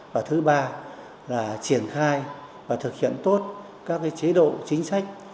và thứ ba là triển khai và thực hiện tốt các chế độ chính sách